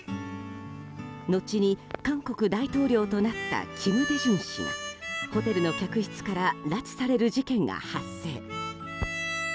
後に韓国大統領となった金大中氏がホテルの客室から拉致される事件が発生。